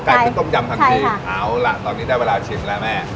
ไก่พริกต้มยำทันทีใช่ค่ะเอาล่ะตอนนี้ได้เวลาชิมแล้วแม่